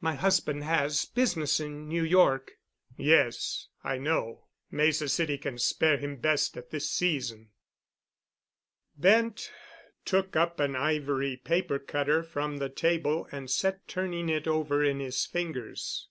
My husband has business in New York." "Yes, I know. Mesa City can spare him best at this season." Bent took up an ivory paper cutter from the table and sat turning it over in his fingers.